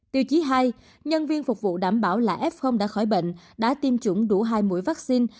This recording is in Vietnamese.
tiêu chí hai nhân viên phục vụ đảm bảo là f đã khỏi bệnh đã tiêm chủng đủ hai mũi vaccine